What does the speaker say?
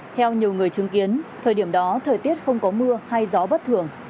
theo nhiều người chứng kiến thời điểm đó thời tiết không có mưa hay gió bất thường